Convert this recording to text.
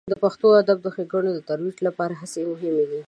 د پښتو د ادب د ښیګڼو د ترویج لپاره هڅې مهمې دي.